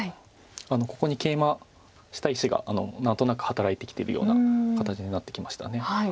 ここにケイマした石が何となく働いてきてるような形になってきました。